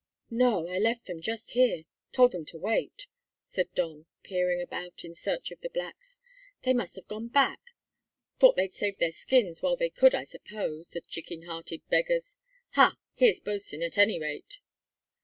"No; I left them just here told them to wait," said Don, peering about in search of the blacks. "They must have gone back; thought they'd save their skins while they could, I suppose, the chicken hearted beggars! Ha, here's Bosin, at any rate."